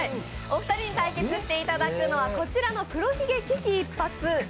お二人に対決していただくのは黒ひげ危機一髪２０００